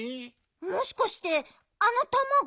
もしかしてあのたまごあたし？